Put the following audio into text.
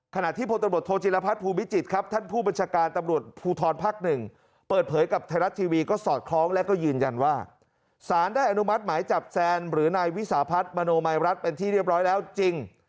ขณะที่พลตำรวจโทจิลพัฒน์ภูมิจิตรครับท่านผู้บัญชาการตำรวจภูทรภักดิ์๑เปิดเผยกับไทยรัฐทีวีก็สอดคล้องและก็ยืนยันว่าสารได้อนุมัติหมายจับแซนหรือนายวิสาพัฒน์มโนมัยรัฐเป็นที่เรียบร้อยแล้วจริง